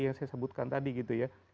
yang saya sebutkan tadi gitu ya